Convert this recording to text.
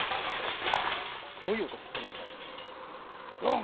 どういう音してましたか？